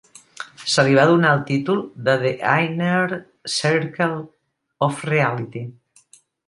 Se li va donar el títol de "The Inner Circle of Reality".